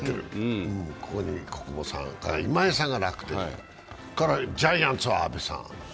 ここに小久保さん、今江さんが楽天、ジャイアンツは阿部さん。